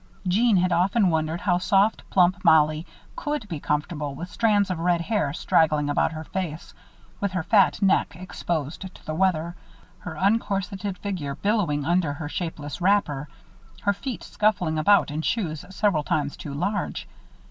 Jeanne had often wondered how soft, plump Mollie could be comfortable with strands of red hair straggling about her face, with her fat neck exposed to the weather, her uncorseted figure billowing under her shapeless wrapper, her feet scuffling about in shoes several times too large.